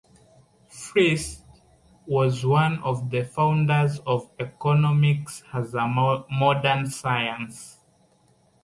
Frisch was one of the founders of economics as a modern science.